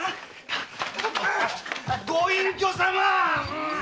御隠居様！